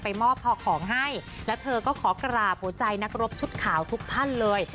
มอบพอของให้และเธอก็ขอกราบหัวใจนักรบชุดขาวทุกท่านเลย